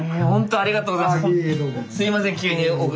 ありがとうございます。